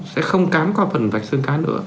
sẽ không cám qua phần vạch xương cá nữa